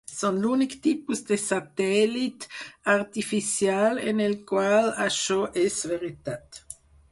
Són l'únic tipus de satèl·lit artificial en el qual això és veritat.